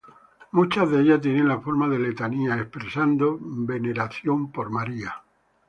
Muchas de ellas tienen la forma de letanías, expresando veneración por María.